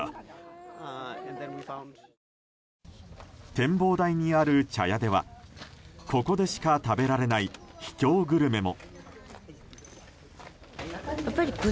展望台にある茶屋ではここでしか食べられない秘境グルメも。